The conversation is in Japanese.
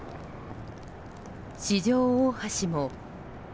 四条大橋も。